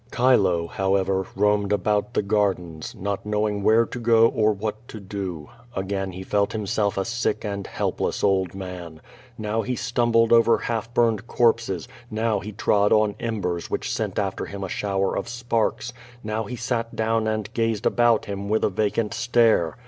Chilo, however, roamed about the gardens, not knowing where to go or what to do. Again he felt himself a sick and helpless old man. Now he stumbled over half burned corpses; now he trod on embers which sent after him a shower of sparks; now he sat down and gazed about him with a vacant stare.